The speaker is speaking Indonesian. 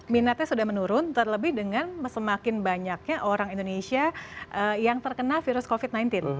minatnya sudah menurun terlebih dengan semakin banyaknya orang indonesia yang terkena virus covid sembilan belas